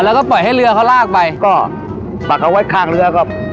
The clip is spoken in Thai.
อ๋อแล้วก็ปล่อยให้เรือเขาลากไปก็ปล่อยเขาไว้ข้างเรือเขา